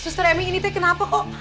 suster emi ini teh kenapa kok